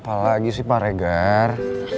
apa lagi sih pak regan